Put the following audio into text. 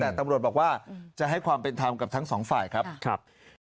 แต่ตำรวจบอกว่าจะให้ความเป็นธรรมกับทั้งสองฝ่ายครับ